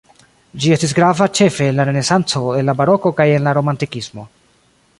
Ĝi estis grava ĉefe en la renesanco en la baroko kaj en la romantikismo.